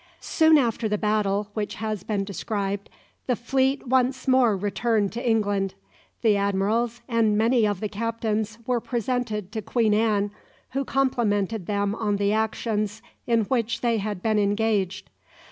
Soon after the battle which has been described the fleet once more returned to England. The admirals and many of the captains were presented to Queen Anne, who complimented them on the actions in which they had been engaged.